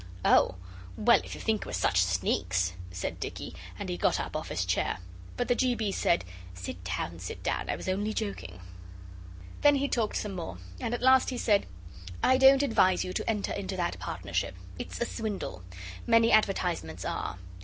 'Oh, well, if you think we're such sneaks,' said Dicky, and he got up off his chair. But the G. B. said, 'Sit down, sit down; I was only joking.' Then he talked some more, and at last he said 'I don't advise you to enter into that partnership. It's a swindle. Many advertisements are.